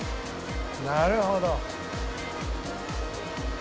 なるほど。